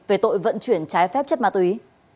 về tội vận chuyển trái phép chất ma túy